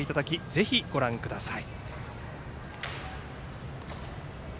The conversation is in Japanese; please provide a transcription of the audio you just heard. ぜひご覧ください。